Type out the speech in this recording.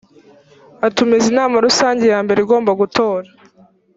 atumiza inama rusange ya mbere igomba gutora